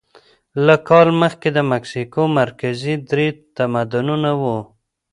له کال مخکې د مکسیکو مرکزي درې تمدنونه وو.